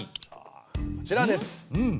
こちらです。